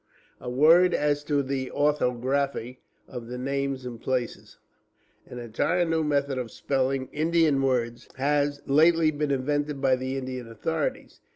A word as to the orthography of the names and places. An entirely new method of spelling Indian words has lately been invented by the Indian authorities.